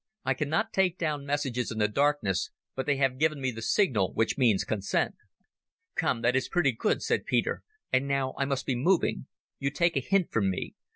"I cannot take down messages in the darkness, but they have given me the signal which means 'Consent'." "Come, that is pretty good," said Peter. "And now I must be moving. You take a hint from me.